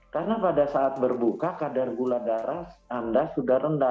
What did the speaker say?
karena pada saat berbuka kadar gula darah anda sudah rendah